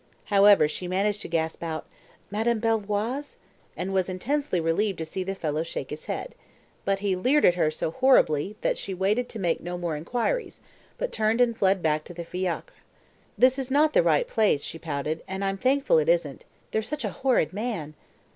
However, she managed to gasp out, "Madame Belvoir's?" and was intensely relieved to see the fellow shake his head. But he leered at her so horribly that she waited to make no more inquiries, but turned and fled back to the fiacre. "This is not the right place," she pouted, "and I'm thankful it isn't there's such a horrid man."